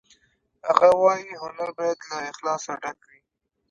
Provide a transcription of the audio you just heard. هغه وایی هنر باید له اخلاصه ډک وي